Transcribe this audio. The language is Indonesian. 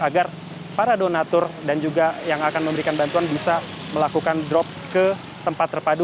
agar para donatur dan juga yang akan memberikan bantuan bisa melakukan drop ke tempat terpadu